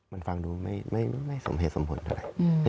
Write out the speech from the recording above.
มันฟังดูไม่สมเหตุสมมติ